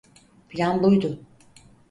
Plan buydu.